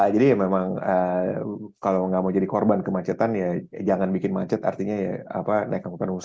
jadi memang kalau nggak mau jadi korban kemacetan jangan bikin macet artinya naik angkutan umum